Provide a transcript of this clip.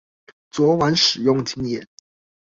昨晚使用經驗